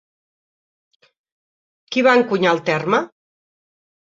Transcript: Qui va encunyar el terme?